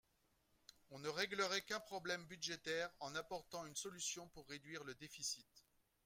On ne réglerait qu’un problème budgétaire en apportant une solution pour réduire le déficit.